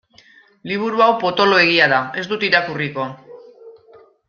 Liburu hau potoloegia da, ez dut irakurriko.